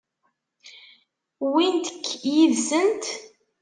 Wwint-k yid-sent?